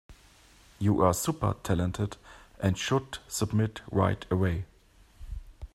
You are super talented and should submit right away.